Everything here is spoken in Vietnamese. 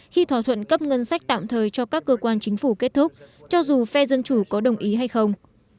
khi thỏa thuận cấp ngân sách tạm thời cho các cơ quan chính phủ kết thúc cho dù phe dân chủ có đồng ý hay không